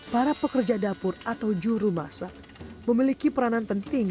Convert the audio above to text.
para pekerja dapur atau juru masak memiliki peranan penting